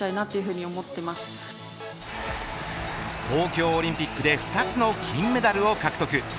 東京オリンピックで２つの金メダルを獲得。